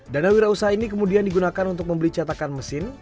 dana wirausaha ini kemudian digunakan untuk membeli catakan mesin